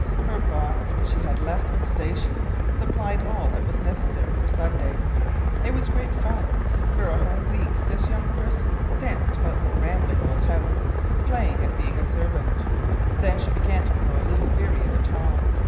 Her box, which she had left at the station, supplied all that was necessary for Sunday. It was great fun! For a whole week this young person danced about the rambling old house, playing at being a servant. Then she began to grow a little weary of it all.